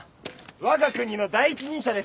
わが国の第一人者です！